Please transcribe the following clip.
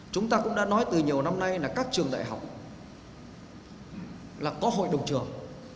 chúng ta cũng đã nói từ nhiều năm nay là các trường đại học là có hội đồng trường